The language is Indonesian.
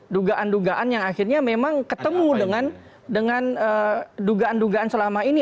dugaan dugaan yang akhirnya memang ketemu dengan dugaan dugaan selama ini